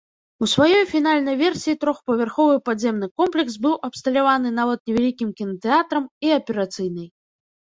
У сваёй фінальнай версіі трохпавярховы падземны комплекс быў абсталяваны нават невялікім кінатэатрам і аперацыйнай.